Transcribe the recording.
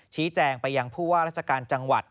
ชี้แจงไปยังผู้ว่าราชการจังหวัด